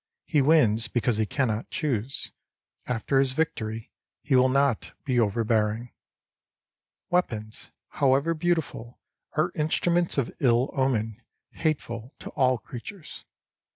He wins because he cannot choose ; after his victory he will not be overbearing. Weapons, however beautiful, are instruments of ill omen, hateful to all creatures.